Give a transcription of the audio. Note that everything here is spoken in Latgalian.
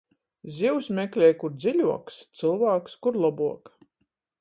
Zivs meklej, kur dziļuoks, cylvāks, kur lobuok.